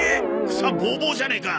草ボーボーじゃねえか！